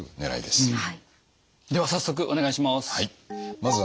では早速お願いします。